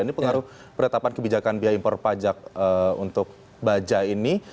ini pengaruh penetapan kebijakan biaya impor pajak untuk baja ini